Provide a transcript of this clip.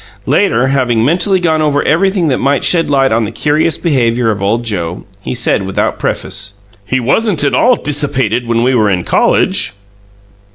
Later, having mentally gone over everything that might shed light on the curious behaviour of old Joe, he said, without preface: "He wasn't at all dissipated when we were in college."